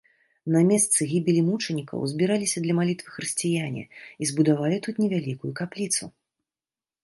На месцы гібелі мучанікаў збіраліся для малітвы хрысціяне і збудавалі тут невялікую капліцу.